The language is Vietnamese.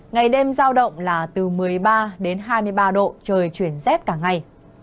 ngày đêm giao động là từ một mươi ba đến hai mươi ba độ trời chuyển rét cả ngày